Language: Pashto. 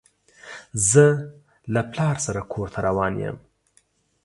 زه له پلار سره کور ته روان يم.